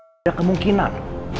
tidak ada kemungkinan